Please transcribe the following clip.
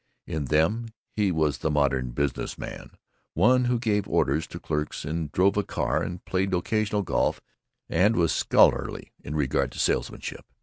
In them he was the modern business man; one who gave orders to clerks and drove a car and played occasional golf and was scholarly in regard to Salesmanship.